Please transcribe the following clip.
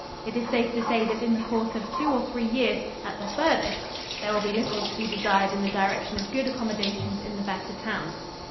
It is safe to say that in the course of two or three years, at the farthest, there will be little to be desired in the direction of good accommodations in the better towns.